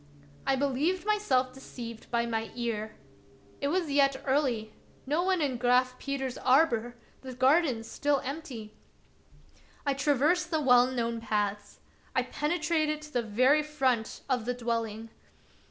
I believed myself deceived by my ear. It was yet early, no one in Graf Peter's arbor, the garden still empty. I traversed the well known paths. I penetrated to the very front of the dwelling.